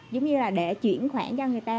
giống như là để chuyển khoản cho người ta